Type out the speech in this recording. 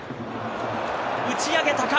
打ち上げたか？